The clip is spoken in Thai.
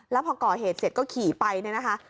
แล้วพอก่อเหตุเสร็จก็ขี่ไปเนี่ยนะคะ